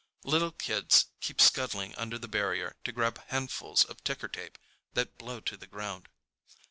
Little kids keep scuttling under the barrier to grab handfuls of ticker tape that blow to the ground.